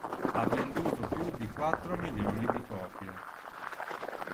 Ha venduto più di quattro milioni di copie.